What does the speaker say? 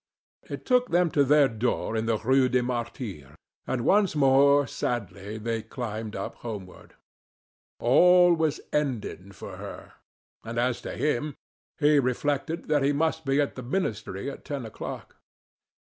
It took them to their door in the Rue des Martyrs, and once more, sadly, they climbed up homeward. All was ended for her. And as to him, he reflected that he must be at the Ministry at ten o'clock.